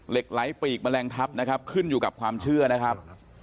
ไหลปีกแมลงทัพนะครับขึ้นอยู่กับความเชื่อนะครับ